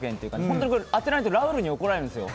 当てないとラウールに怒られるんですよ。